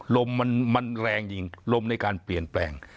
ลมมันแรงจริงลมในการเปลี่ยนแปลง